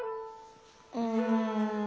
うん。